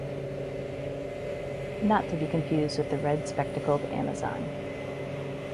Not to be confused with the red-spectacled amazon.